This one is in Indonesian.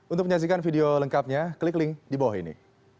untuk menyaksikan video lengkapnya klik link di bawah ini